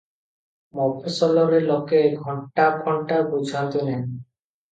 ମଫସଲରେ ଲୋକେ ଘଣ୍ଟା ଫଣ୍ଟା ବୁଝନ୍ତି ନାହିଁ ।